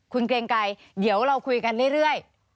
คุณเกรงไกรเดี๋ยวเราคุยกันเรื่อย